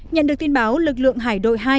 nhận được tin báo lực lượng hải đội hai